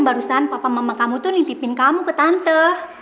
barusan papa mama kamu tuh nisipin kamu ke tante